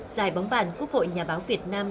giải bóng bàn quốc hội nhà báo việt nam